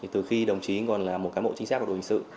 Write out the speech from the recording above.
từ khi đồng chí còn là một cán bộ trinh sát của đội hình sự